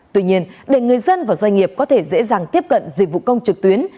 tuy nhiên để người dân và doanh nghiệp có thể dễ dàng tiếp cận dịch vụ công trực tuyến